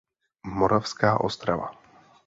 Moravská Ostrava.